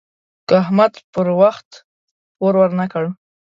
که احمد پر وخت پور ورنه کړ.